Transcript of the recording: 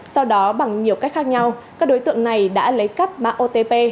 sau đó bằng nhiều cách khác nhau các đối tượng này đã lấy cắp mạng otp